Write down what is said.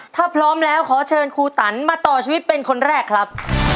ถ้าพร้อมแล้วขอเชิญครูตันมาต่อชีวิตเป็นคนแรกครับ